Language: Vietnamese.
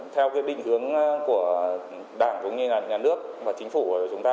theo định hướng của đảng nhà nước và chính phủ của chúng ta